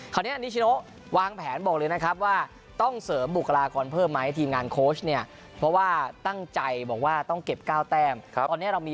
คราวนี้อันนี้เชิ้นโอวางแผนว่าต้องเสริมบุคลาควรเพิ่มไหม